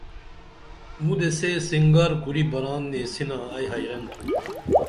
مُدے سے سنگار کُری بران نیسِنا ائی حیرن تُھم